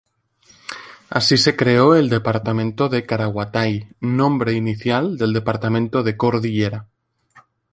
Así se creó el departamento de Caraguatay, nombre inicial del departamento de Cordillera.